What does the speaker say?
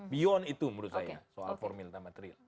di luar itu menurut saya soal formil dan material